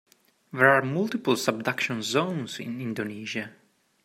There are multiple subduction zones in Indonesia.